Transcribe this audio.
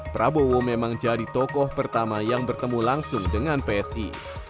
prabowo memang jadi tokoh pertama yang bertemu langsung dengan psi